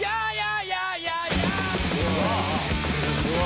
すごい！